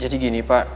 jadi gini pak